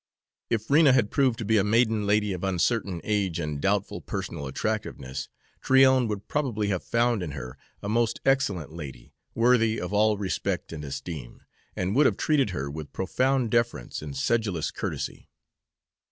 If Rena had proved to be a maiden lady of uncertain age and doubtful personal attractiveness, Tryon would probably have found in her a most excellent lady, worthy of all respect and esteem, and would have treated her with profound deference and sedulous courtesy.